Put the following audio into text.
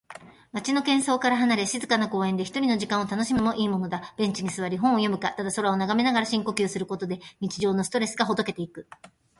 街の喧騒から離れ、静かな公園で一人の時間を楽しむのもいいものだ。ベンチに座り、本を読むか、ただ空を眺めながら深呼吸することで、日常のストレスがほどけていく。